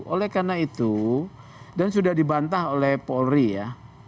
oleh karena itu dan sudah dibantah oleh polri ya